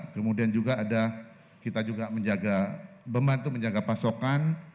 kemudian juga ada kita juga menjaga membantu menjaga pasokan